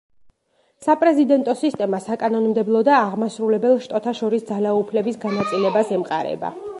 საპრეზიდენტო სისტემა საკანონმდებლო და აღმასრულებელ შტოთა შორის ძალაუფლების განაწილებას ემყარება.